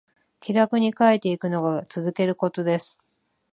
気楽に書いていくのが続けるコツです